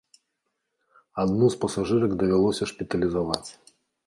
Адну з пасажырак давялося шпіталізаваць.